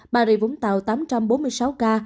bà rịa vũng tàu tám bốn mươi sáu ca